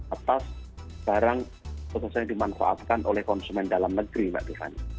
atas barang khususnya yang dimanfaatkan oleh konsumen dalam negeri mbak tiffany